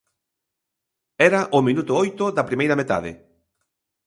Era o minuto oito da primeira metade.